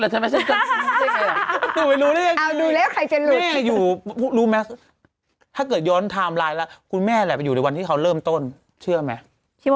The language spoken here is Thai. ให้อยู่รู้ไหมถ้าเกิดย้อนท่ามไลน์แล้วคุณแม่มิดอาจอยู่ในวันที่เขาเริ่มต้นเชื่อไหม